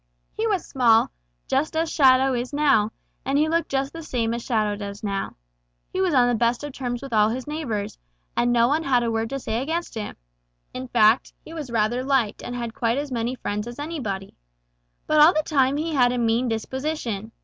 He was small, just as Shadow is now, and he looked just the same as Shadow does now. He was on the best of terms with all his neighbors, and no one had a word to say against him. In fact, he was rather liked and had quite as many friends as anybody. But all the time he had a mean disposition.